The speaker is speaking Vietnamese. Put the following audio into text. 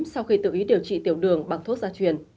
sau khi tự ý điều trị tiểu đường bằng thuốc gia truyền